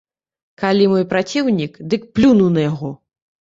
Калі мой праціўнік, дык плюну на яго.